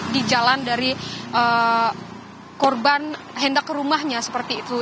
di jalan dari korban hendak ke rumahnya seperti itu